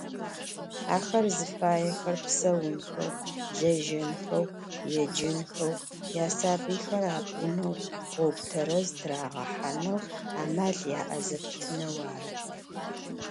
Ахэр зыфаехэр псэунхэу, лэжьэнхэу, еджэнхэу, ясабыйхэр апӏунэу, гъогу тэрэз тырагъэхьанэу амал яӏэ зэпытынэу ары.